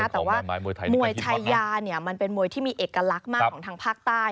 แต่ว่ามวยชายามันเป็นมวยที่มีเอกลักษณ์มากของทางภาคใต้